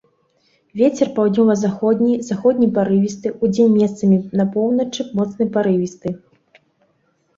Вецер паўднёва-заходні, заходні парывісты, удзень месцамі па поўначы моцны парывісты.